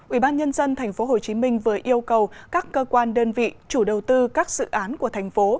ubnd tp hcm vừa yêu cầu các cơ quan đơn vị chủ đầu tư các dự án của thành phố